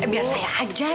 biar saya ajak